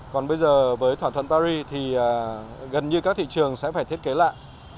còn bây giờ với thỏa thuận paris thì gần như các thị trường sẽ phải thiết kế lại